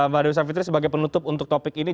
mbak dessa fitri sebagai penutup untuk topik ini